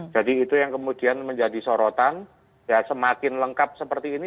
jadi itu yang kemudian menjadi sorotan ya semakin lengkap seperti ini